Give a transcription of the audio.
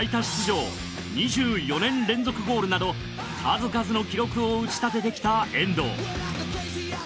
出場２４年連続ゴールなど数々の記録を打ち立ててきた遠藤。